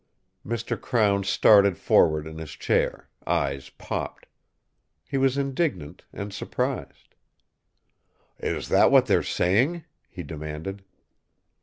Mr. Crown started forward in his chair, eyes popped. He was indignant and surprised. "Is that what they're saying?" he demanded.